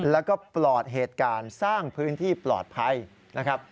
แล้วก็ปลอดเหตุการณ์สร้างพื้นที่ปลอดภัยนะครับ